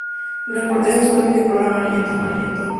La corteza es suave y de color amarillento.